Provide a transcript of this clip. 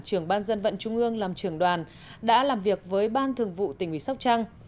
trưởng ban dân vận trung ương làm trưởng đoàn đã làm việc với ban thường vụ tỉnh ủy sóc trăng